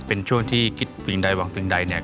เป็นช่วงที่คิดสิ่งใดหวังสิ่งใดเนี่ย